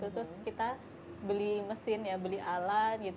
terus kita beli mesin ya beli alat